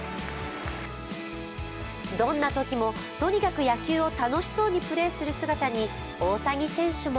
どんなときもとにかく野球を楽しそうにプレーする姿に大谷選手も